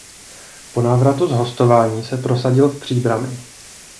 Po návratu z hostování se prosadil v Příbrami.